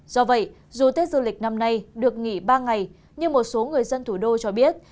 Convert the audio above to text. do vậy dù tết du lịch năm nay được nghỉ ba ngày nhưng một số người dân thủ đô cho biết